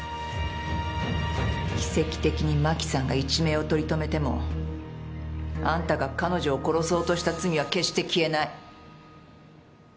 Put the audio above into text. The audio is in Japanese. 奇跡的に真紀さんが一命を取り留めてもあんたが彼女を殺そうとした罪は決して消えない。